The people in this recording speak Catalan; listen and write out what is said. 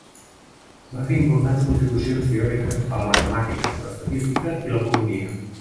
Va fer importants contribucions teòriques a la matemàtica, l'estadística i l'economia.